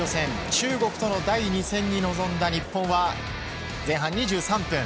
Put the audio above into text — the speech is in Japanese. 中国との第２戦に臨んだ日本は前半２３分